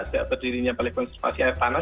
sejak berdirinya balai konservasi air tanah